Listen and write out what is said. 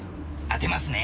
当てますね。